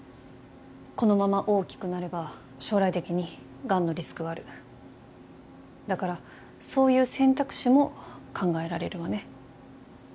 このまま大きくなれば将来的にガンのリスクはあるだからそういう選択肢も考えられるわね